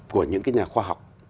của những cái nhà khoa học